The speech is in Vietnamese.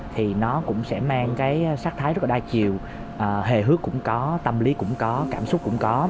thì nó cũng sẽ mang sát thái rất đa chiều hề hước cũng có tâm lý cũng có cảm xúc cũng có